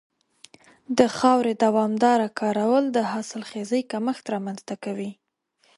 د خاورې دوامداره کارول د حاصلخېزۍ کمښت رامنځته کوي.